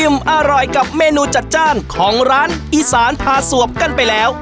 อร่อยกับเมนูจัดจ้านของร้านอีสานพาสวบกันไปแล้ว